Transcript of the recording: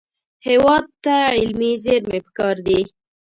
هېواد ته علمي زېرمې پکار دي